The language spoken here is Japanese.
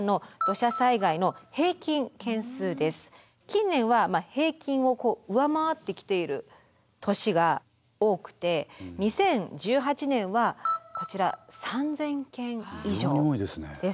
近年は平均を上回ってきている年が多くて２０１８年はこちら３，０００件以上です。